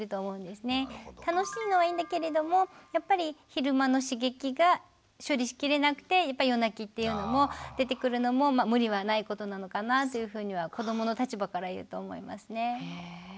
楽しいのはいいんだけれどもやっぱり昼間の刺激が処理しきれなくてやっぱり夜泣きっていうのも出てくるのも無理はないことなのかなというふうには子どもの立場から言うと思いますね。